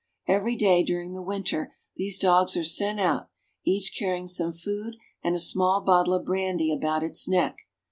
Every day during the winter these dogs are sent out, each carrying some food and a small bottle of brandy about its neck.